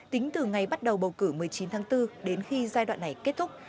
tính từ ngày bắt đầu bầu cử một mươi chín tháng bốn đến khi giai đoạn này kết thúc